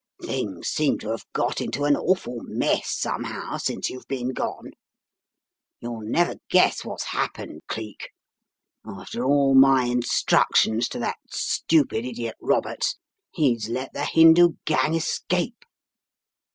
Things seem to have got into an awful mess somehow since you've been gone. You'll never guess what's happened, Cleek; after all my instructions to that stupid idiot Roberts he's let the Hindoo gang escape.